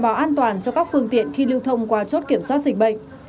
để đảm bảo an toàn cho các phương tiện khi lưu thông qua chốt kiểm soát dịch bệnh